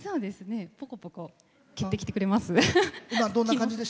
ぽこぽこ蹴ってきてくれます。